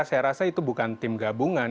saya rasa itu bukan tim gabungan